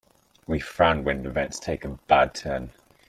We frown when events take a bad turn.